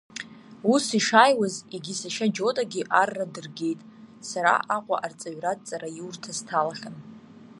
Ус ишааиуаз егьи сашьа Џьотагьы арра дыргеит, сара Аҟәа арҵаҩратә ҵараиурҭа сҭалахьан.